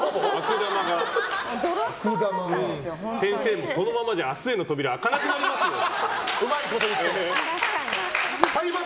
先生のこのままじゃ「明日への扉」開かなくなりますよって。